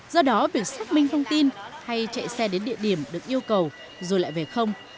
do đó việc xác minh thông tin hay chạy xe đến địa điểm được yêu cầu rồi lại về không